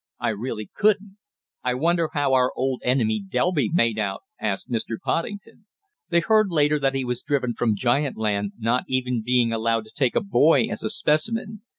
I really couldn't!" "I wonder how our old enemy Delby made out?" asked Mr. Poddington. They heard later that he was driven from giant land, not even being allowed to take a boy as a specimen.